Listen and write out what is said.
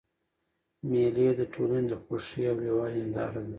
مېلې د ټولني د خوښۍ او یووالي هنداره ده.